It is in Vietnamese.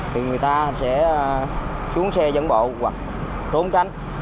thì người ta sẽ xuống xe dẫn bộ hoặc trốn tránh